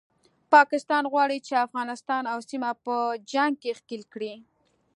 پاکستان غواړي چې افغانستان او سیمه په جنګ کې ښکیل کړي